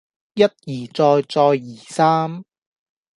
一而再再而三